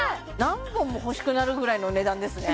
何本も欲しくなるぐらいの値段ですね